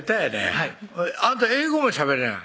はいあんた英語もしゃべれない？